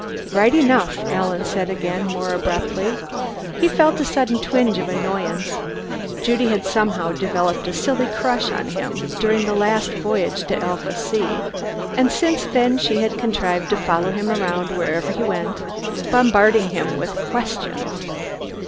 "Right enough," Alan said again, more abruptly. He felt a sudden twinge of annoyance; Judy had somehow developed a silly crush on him during the last voyage to Alpha C, and since then she had contrived to follow him around wherever he went, bombarding him with questions.